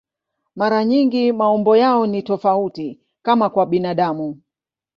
Mara nyingi maumbo yao ni tofauti, kama kwa binadamu.